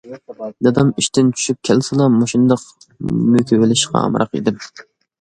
دادام ئىشتىن چۈشۈپ كەلسىلا، مۇشۇنداق مۆكۈۋېلىشقا ئامراق ئىدىم.